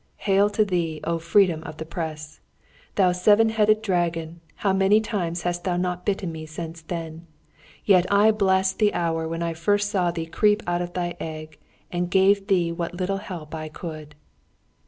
Hail to thee, O Freedom of the Press! Thou seven headed dragon, how many times hast thou not bitten me since then! Yet I bless the hour when I first saw thee creep out of thy egg and gave thee what little help I could!